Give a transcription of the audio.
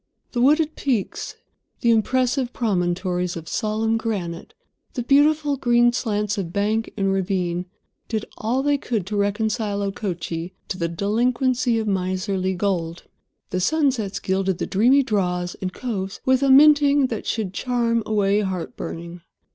The wooded peaks, the impressive promontories of solemn granite, the beautiful green slants of bank and ravine did all they could to reconcile Okochee to the delinquency of miserly gold. The sunsets gilded the dreamy draws and coves with a minting that should charm away heart burning.